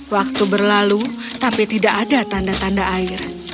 waktu berlalu tapi tidak ada tanda tanda air